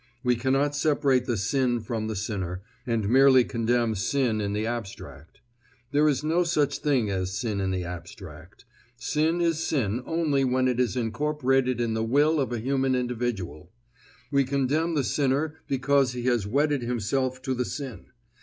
We cannot separate the sin from the sinner, and merely condemn sin in the abstract. There is no such thing as sin in the abstract. Sin is sin only when it is incorporated in the will of a human individual. We condemn the sinner because he has wedded himself to the sin.